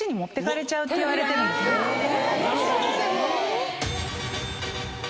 え